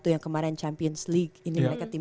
yang kemarin champions league ini mereka tim